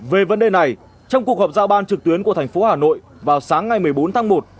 về vấn đề này trong cuộc họp giao ban trực tuyến của thành phố hà nội vào sáng ngày một mươi bốn tháng một